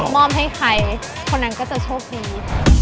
มอบให้ใครคนนั้นก็จะโชคดี